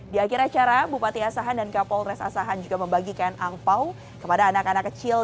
di akhir acara bupati asahan dan kapolres asahan juga membagikan angpau kepada anak anak kecil